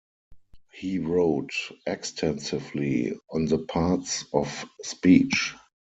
He wrote extensively on the parts of speech.